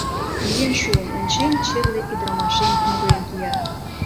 Миен шуым, ончем: черле ӱдырамашем мурен кия.